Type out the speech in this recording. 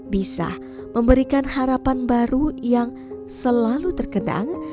bisa memberikan harapan baru yang selalu terkenang